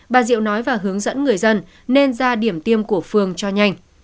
bà diệu nói và hướng dẫn người dân nên ra điểm tiêm của phường cho nhanh